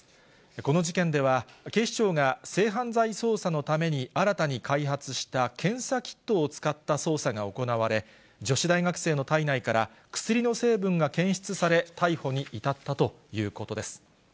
この事件では、警視庁が性犯罪捜査のために新たに開発した検査キットを使った捜査が行われ、女子大学生の体内から、薬の成分が検出され、逮捕に至ったということです。